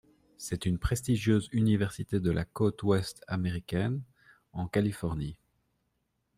C’est une prestigieuse université de la côte ouest américaine, en Californie.